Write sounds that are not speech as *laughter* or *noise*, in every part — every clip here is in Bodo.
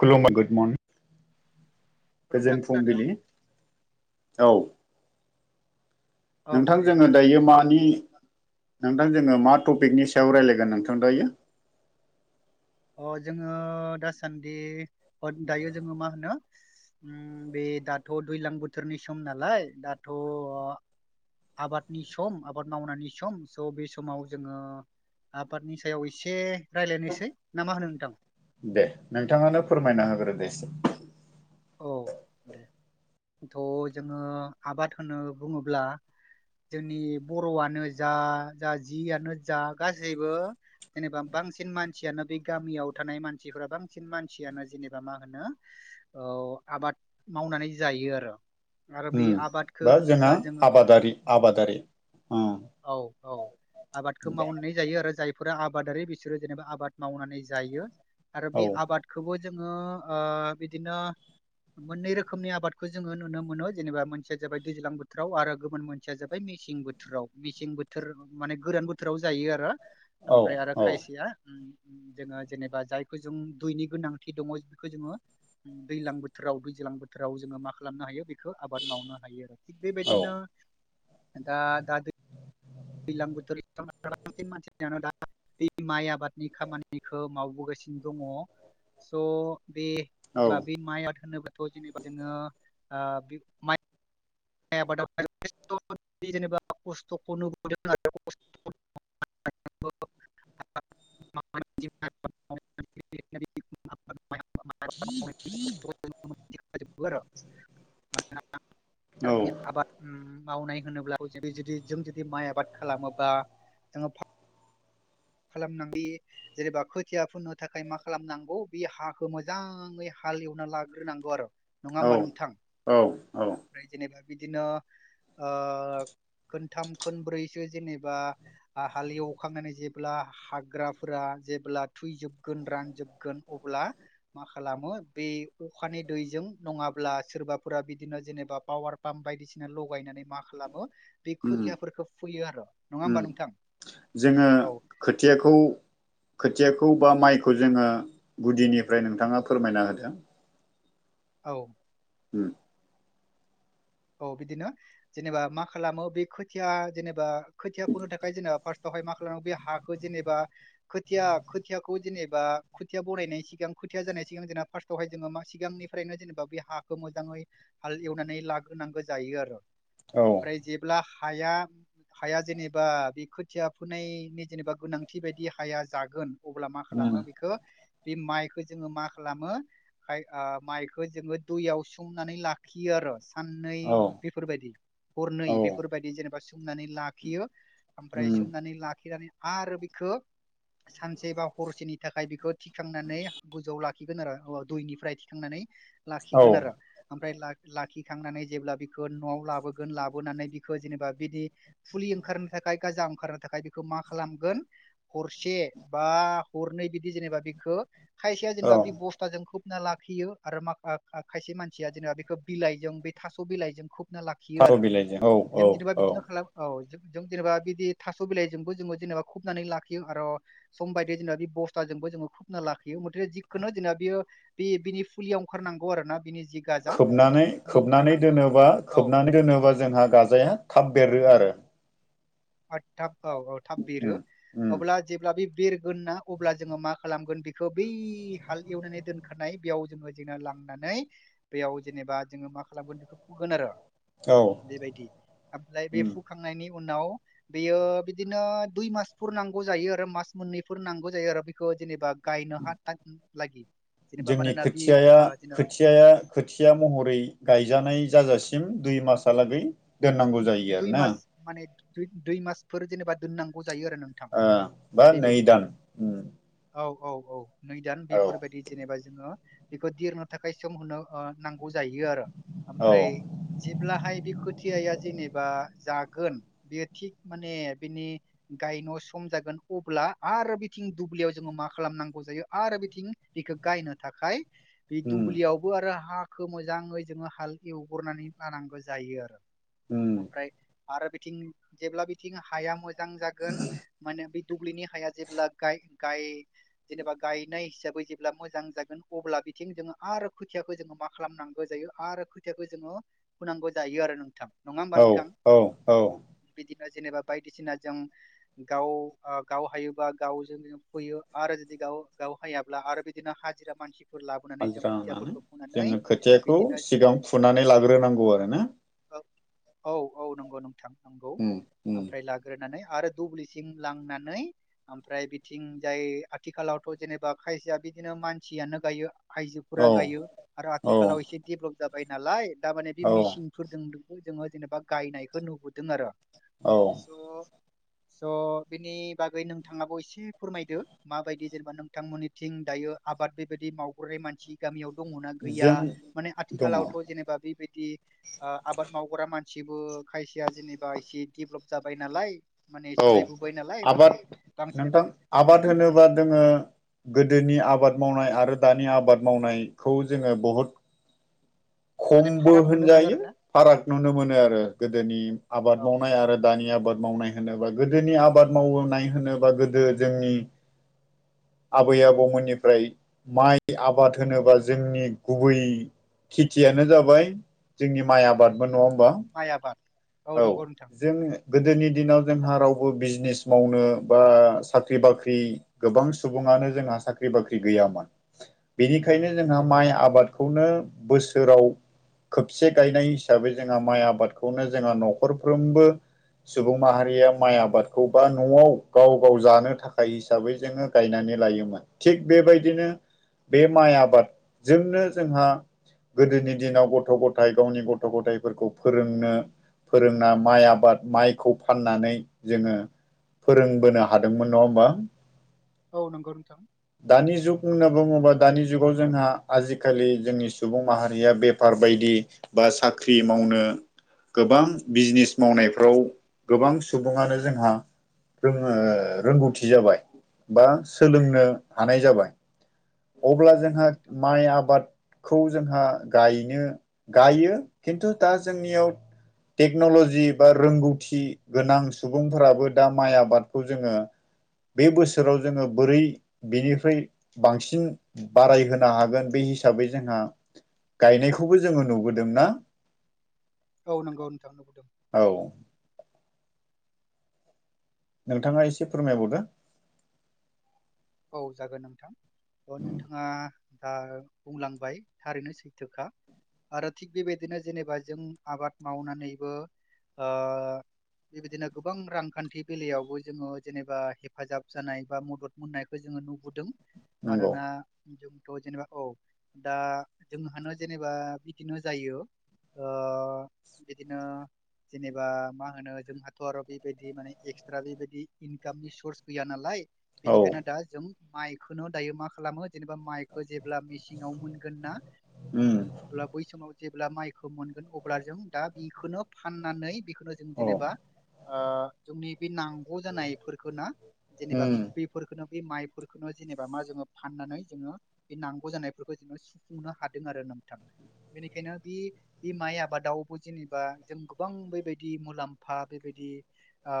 खुलुमो गुड मर्निं नोंथां गोजोन खोनादों फुंबिलिनि औ औ नोंथां दे जोङो बुंनो हागोन दायो दे नों। मानि नोंथां जोङो मा टपिकनि सायाव रायज्लायगोन नोंथां दायो अ जोङो दासान्दि दायो जोङो मा होनो बे दाथ दैज्लां बोथोरनि सम नालाय दाथ आबादनि सम आबाद मावनायनि सम स बे समाव जोङो आबादनि सायाव एसे रायज्लायनोसै ना मा होनो नोंथां दे नोंथाङानो फोरमायना होग्रो दे एसे औ दाथ जोङो आबाद होनो बुङोब्ला जोंनि बर'आनो जा जा जियानो जा गासैबो जेनेबा बांसिन मानसियानो बे गामियाव थानाय मानसिफोरा बांसिन मानसियानो जेनेबा मा होनो आबाद मावनानै जायो आरो आरो बे उम आबाद बा जोंहा आबादारि आबादारि उम औ औ आबादखौ दे मावनाय जायो आरो जाय फोरा आबादारि बिसोरो जेनेबा आबाद मावनानै जायो आरो बे औ आबादखौबो जोङो बिदिनो मोननै रोखोमनि आबादखौ जोङो नुनो मोनो जेनेबा मोनसेया जाबाय दैज्लां बोथोराव आरो गुबुन मोनसेया जाबाय मेसें बोथोराव मेसें बोथोर माने गोरान बोथोराव जायो आरो औ ओमफ्राय आरो औ खायसेया जोङो जेनेबा जायखौ जों दैनि गोनांथि दङ बेखौ जोङो दैलां बोथोराव दैज्लां बोथोराव जोङो मा खालामनो हायो आबाद मावनो हायो आरो औ बेबायदिनो दा दैलां बोथोर बांसिन मानसिानो दा माइ आबादनि खामानिखौ मावबोगासिनो दङ स बेबा बे माइ होनोबाथ जेनेबा जोङो बे माइ जेनेबा *inaudible* *unintelligible* *inaudible* *unintelligible* औ मावनाय होनोब्ला जों जुदि जों जुदि माइ आबाद खालामोबा जोङो खालामनांग जेनेबा खोथिया फुननो थाखाय मा खालामनांगौ बे हाखौ मोजाङै हाल एवना लाग्रोनांगौ आरो नङा औ होमबा नोंथां औ औ ओमफ्राय जेनेबा बिदिनो खोनथाम खनब्रैसो जेनेबा हालेवखांनानै जे अब्ला हाग्राफोरा जेब्ला थुैजोबगोन रानजोबगोन अब्ला मा खालामो बे अखानि दैजों नङाब्ला सोरबाफोरा बिदिनो जेनेबा पावार पाम्प बायदिसिना लगाय नानै मा खालामो बे उम खुथियाफोरखौ फुयो आरो नङा हबा उम नोंथां जोङो औ खोथियाखौ खोथियाखौ बा माइखौ जोङो गुदिनिफ्राय नोंथाङा फोरमायना होदों औ उम औ बिदिनो जेनेबा मा खालामो बे खोथिया जेनेबा खोथिया फुनो थाखाय जेनेबा फार्स्टआव मा खालाम बे हाखौ जेबा खोथियाखौ जेनेबा खोथिया बानायनायनि सिगां जानाय सिगां जेनेबा फासथावहाय जोङो सिगांनिफ्रायनो जेनेबा बे हाखौ मोजाङै हाल एवनानै ला होनांगौ जायो आरो औ ओमफ्राय जेब्ला हाया हाया जेनेबा बे खोथिया फुनायनि जेनेबा गोनांथि बायदि हाया जागोन अब्ला मा उम खालामो बेखौ बे माइखौ जोंङों मा खालामोाय माइखौ जोंङो दैयाव सोमनानै लाखियो आरो साननै औ बेफोरबायदि हरनै औ बेफोरबायदि जेनेबा सोमनानै लाखियो ओमफ्राय उम सोमनानै लाखिनानै आरो बेखौ सानसे बा हरसेनि थाखाय बेखौ थिखांनानै गोजौआव लाखिगोन आरो दैनिफ्राय थिखांनानै औ लाखिगोन आरो ओमफ्राय ला थांनानै जेब्ला बिखौ न'आव लाबोोन लाोनानै बिखौ जेनेबा बिदि फुलि ओंखारनो गा खालामनो थाखाय बेखौ मा खालामगोन हरसे बा हरनै बिदि जेनेबा बेखौ खायसेया औ जेनेबा बे बस्थाजों खोबना लाखियो आरो माख खायसे मानसिया जेनेबा बेखौ बिलाइजों बे थास' बिलाइजों खोबना लाखियो थास' आरो बिलाइजों औ जों औ जेनेनोबा औ बिदिनो खालाम औ जों जेनेबा बिदि थास' बिलाइजोंबो जोंङो जेनेबा खुबनानै लाखियो आरो सम बायदि जेनेबा बे बस्थाजों खोबना ला जों लाखियो फुलिया ओखारनांगौ आरोनि खोबनानै खोबनानै दोनोबा औ खोबनानै दोनोबा जोंहा गाजाया थाब बेरो आरो *unintelligible* थाब औ औ थाब उम बिरो उम अब्ला जेब्ला बे बेरगोन ना अब्ला जोंङो मा खालामगोन बेखौ बै हाल एवनानै दोनखानाय बेयाव जोंङो जेंना लां नानै बेयाव जेनेबा जोंङो मा खालामगोन बेखौ फोगोन आरो औ बेबायदि ओमफ्राय बे उम फुखांनायनि उनाव बेयो बिदिनो दुइ मासफोर नांगौ जायो आरो मास मोननैफोर नांगौ जायो आरो बेखौ जेनेबा गायनहा लागि जेनेबा जोंनि मानोना बे खोथिय जेन' खोथिय खोथिया महरै गायजानाय जाजासिम दुइ मासलागै दोननांगौ जायो दुइ आरो ना मास माने दुइ मासफोर जेनेबा दोननांगौ जायो आरो नोंथां बा नै बेबायदि दान औ औ औ नै दान औ बेफोरबायदि जेनेबा जोंङो बेखौ दिरनो थाखाय सम होनरो नांगौ जायो आरो औ ओमफ्राय जेब्लाहाय बिखौ या जेनेबा जागोन बियो थिक माने बिनि गायन सम जागोन अब्ला आरो बिथिं दुब्लियाव जोंङो मा खालामनांगौ जायो आरो बिथिं बेखौ गायनो थाखाय बे उम दुब्लियावबो आरो हाखौ मोजाङै जोंङो हाल एवग्रनानै लानांगौ जायो आरो उम ओमफ्राय आरो बिथिं जेब्ला बिथिं हाया मोजां जागोन माने बे दुब्लिनि हाया जेब्ला गाय गाय जेनेबा गायनाय हिसाबै जेब्ला मोजां जागोन अब्ला बिथिं जोंङो आरो खुथियाखौ जोंङो मा खालामनांगौ जायो आरो खोथियाखौ जोंङो होनांगौ जायो आरो नों नंङा होमबा औ नोंथां औ औ बि जेनेबा बायदिसिना जों गाव गाव हायोबा गावजों फोयो आरो जुदि गावहायाब्ला आरो बिदिनो हाजिरा मानसि हाजिरा होनानै जोंङो खोथियाखौ बिदिनो सिगां फुनानै लाग्रोनांगौ आरोना औ - औ नंगौ नोंथां नंगौ उम उम ओमफ्राय लाग्रोनानै आरो दुब्लिसिं लांनानै ओमफ्राय बिथिं जाय आथिखालावथ' जेनेबा खायसेया बिदिनो मानसियानो गायो औ आइजोफोरा गायो आरो औ आथिखालाव एसे देभेलप जाबाय नालाय दा माने बे औ मेसिनफोर जोंङो जेनेबा गायनायखौ नुबोदों आरो औ स स' बिनि बागै नोंथांङाबो एसे फोरमायदो माबायदि जेनेबा नोंथांमोननिथिं दायो आबाद बेबायदि मावग्राय मानसि गामियाव दङनाा गैया जों माने दङ आथिखालावथ' जेनेबा बेबायदि आबाद मावग्रा मानसिबो खायसेया जेनेबा एसे देभलप जाबाय नालाय माने औ सोलायबोबाय नालाय माने आबाद बांसिनानो नोंथां उम आबाद होनोबा जोंङो गोदोनि आबाद मावनाय आरो दानि आबाद मावनायखौ जोंङो बहुद माने खमबो फाराग नुनो मोनो होनजायो आरोना फाराग नुनो मोनो आरो गोदोनि आबाद औ मावनाय आरो दानि आबाद मावनाय होनोबा गोदोनि आबाद मावनाय होनोबा गोदो जोंनि आबै आबौमोननिफ्राय माइ आबाद होनोबा जोंनि गुबै खेथियानो जाबाय जोंनि माइ आबादबो नं बा माइ आबाद औ नंगौ नोंथां जों गोदोनि दिनाव जोंहा रावबो बिजनेस मावनो बा साख्रि बाख्रि गोबां सुबुङा जोंहा साख्रि बाख्रि गैयामोन बेनिखायनो जोंहा गैया। माइ आबादखौनो बोसोराव खेबसे गायनाय हिसाबै जोंहा माइ आबादखौनो जोंहा न'खरफ्रोमबो सुबुं माहारिया माइ आबादखौ बा न'वाव गाव गाव जानो थाखाय हिसाबै जोङो गायनानै लायोमोन थिग बेबायदिनो बे माइ आबादजोंनो जोंहा गोदोनि दिनाव गथ' गथाय गावनि गथ' गथाइफोरखौ फोरोंनो फोरोंना माइ आबाद माइखौ फाननानै जोङो फोरोंबोनो हादोंमोन नङा होमबा औ नंगौ नोंथां बुंना बुङोब्ला दानि जुगाव जोंहा आजिखालि जोंनि सुबुं माहारिया बेफार बायदि बा साख्रि मावनो गोबां बिजनेस मावनायफ्राव गोबां सुबुङानो जोंहा ओ रोंगौथि जाबाय बा सोलोंनो हानाय जाबाय औ अब्ला नंगौ जोंहा नोंथां माइ आबाद खौ जोंहा गायनो गायो खिन्थु दा जोंनियाव टेक्न'लजि बा रोंगौथि गोनां सुबुंफोराबो दा माइ आबादखौ जोङो बे बोसोराव जोङो बोरै बिनिफ्राय बांसिन बारायहोनो हागोन बे हिसाबै जों जोंहा गायनायखौबो जोङो नुबोदोंना औ नंगौ नोंथां औ नोंथाङा एसे फोरमायबावदो औ जागोन नोंथां अ नोंथाङा दा बुंलांबाय थारैनो सैथोखा आरो थिग बेबायदिनो जेनेबा जों आबाद मावनानैबो ओ बेबायदिनो गोबां रांखान्थि बेलायावबो जोङो जेनेबा हेफाजाब जानाय बा मदद मोननाय जोङो नुबोदों नंगौ मानोना जों जेनेबा औ दा जोंहानो जेनेबा बिदिनो जायो ओ बिदिनो जेनेबा मा होनो जोंहाथ' आरो बेबायदि माने एक्सट्रा बेबायदि इनकामनि सर्स गैया नालाय औ बेनिखायनो दा जों माइखौनो दायो मा खालामो जेनेबा माइखौ जेब्ला मेसेङाव मोनगोन ना उम होमब्ला बै समाव जेब्ला माइखौ मोनगोन अब्ला जों दा बेखौनो फाननानै बेखौनो जों औ जेनेबा ओ जोंनि बे नांगौ जानायफोरखौ ना जेनेबा उम बेफोरखौनो बे माइफोरखौनो जेनेबा मा जोङो फाननानै जोङो बे नांगौ जानायफोरखौ जोङो सुफुंनो हादों आरो नोंथां बेनिखायनो बे बे माइ आबादावबो जेनेबा जों गोबां बेबायदि मुलाम्फा बेबायदि ओ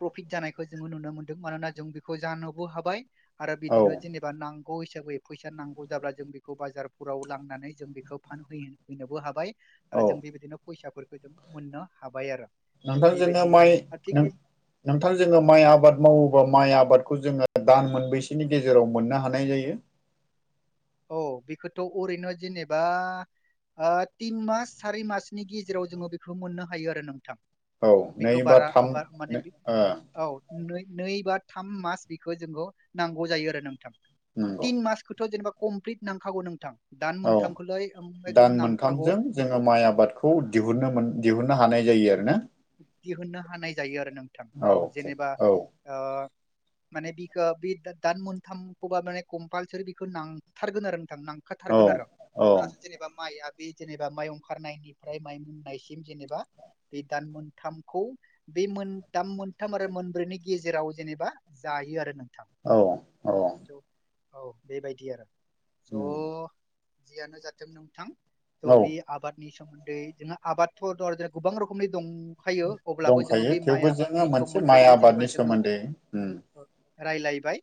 प्रफिट जानायखौ जोङो नुनो मोनदों मानोना जों बेखौ जा बो हाबाय आरो औ बिदिनो जेनेबा नांग नांगौ हिसाबै फैसा नांगौ जाब्ला जों बेखौ बाजारफोराव लांनानै जों बेखौ फान हैनोबो हाबाय औ आरो जों बेबायदिनो फैसाफोरखौ जों मोननो हाबाय आरो थिग नोंथां जोंङो बेबायदि माइ आरो थिग बे नोंथां जोंङो माइ आबाद मावोबा माइ आबाद खौ जोङो दान मोनबैसोनि गेजेराव मोननो हानाय जायो औ बेखौथ' अरैनो जेनेबा ओ तिन मास सारि मासनि गेजेराव जोङो बेखौ मोननो हायो आरो नोंथां औ नै बेखौ बा बारा थाम आबाद माने ओ औ नै नै बा थाम मास बेखौ जोंखौ नांगौ जायो आरो नोंथां नंगौ तिन मासखौथ' जेनेबा कमप्लिट नांखागौ नोंथां दान औ मोनथामखौलाय एकदम दान नांखागौ मोनथामजों जोङो माइ आबादखौ दिहुननो दिहुननो हानाय जायो आरो ना दिहुननो हानाय जायो आरो नोंथां औ अके जेनेबा औ माने बिखौ बे दान मोनथामखौबा माने कम्पालसुरि बिखौ नांथारगोन आरो औ नांखाथारगोन आरो औ अब्लासो जेनेबा माइया बे जेनेबा माइ ओंखारनायनिफ्राय माइ मोननायसिम जेनेबा बे दान मोनथामखौ बे मोनथाम मोनथाम आरो मोनब्रैनि गेजेराव जेनेबा जायो आरो नों थां औ औ औ बेबायदि आरो उम स' जियानो जाथों नोंथां थह औ बे आबादनि सोमोन्दै जोङो आबादथ' गोबां रोखोम खमनि दं दंखायो अब्लाबो जोङो दंखायो बे माइ थेवबो जोङो आबादनि मोनसे माइ सोमोन्दैनो जेनेबा आबादनि जोङो सोमोन्दै रायलायबाय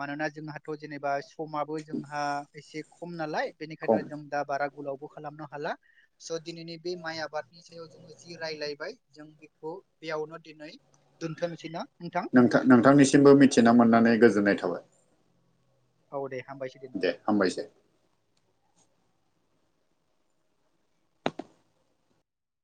मानोना जोंहाथ' जेनेबा समाबो जोंहा एसे खम नालाय खम बेनिखायनो जों दा बारा गोलावबो खालामनो हाला स' दिनैनि बे माइ आबादनि सायाव जोङो जि रायलायबाय जों बेखौ बेयावनो दिनै दोनथनोसैना नोंथां नोंथांनिसिमबो मिथिना मोननानै गोजोननाय थाबाय औ दे हामबायसै दे नोंथां हामबायसै